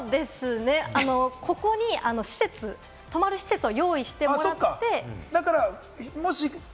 ここに泊まる施設は用意してもらって。